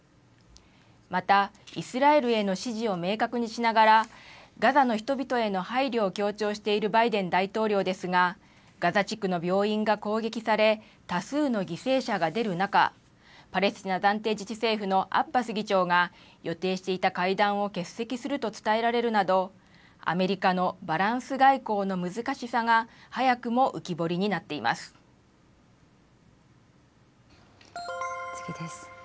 また、イスラエルへの支持を明確にしながら、ガザの人々への配慮を強調しているバイデン大統領ですが、ガザ地区の病院が攻撃され、多数の犠牲者が出る中、パレスチナ暫定自治政府のアッバス議長が予定していた会談を欠席すると伝えられるなど、アメリカのバランス外交の難しさが、早く次です。